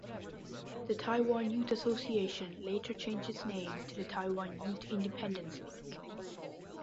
The Taiwan Youth Association later changed its name to the Taiwan Youth Independence League.